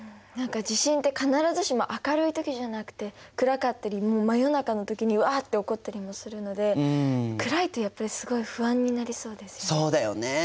何か地震って必ずしも明るい時じゃなくて暗かったり真夜中の時にわって起こったりもするので暗いとやっぱりすごい不安になりそうですよね。